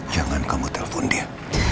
jangan kamu telpon dia